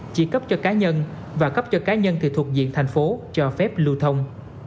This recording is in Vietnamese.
chỉ cấp cho cá nhân và cấp cho cá nhân thì thuộc diện thành phố cho phép lưu thông